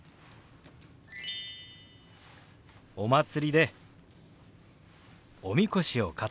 お祭りでおみこしを担ぐんだ。